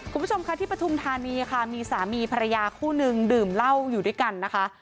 คุณผู้ชมค่ะที่ปฐุมธานีค่ะมีสามีภรรยาคู่นึงดื่มเหล้าอยู่ด้วยกันนะคะ